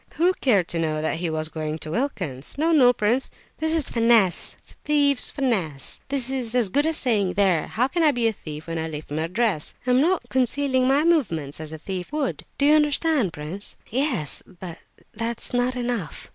Who cared to know that he was going to Wilkin's? No, no! prince, this is finesse, thieves' finesse! This is as good as saying, 'There, how can I be a thief when I leave my address? I'm not concealing my movements as a thief would.' Do you understand, prince?" "Oh yes, but that is not enough."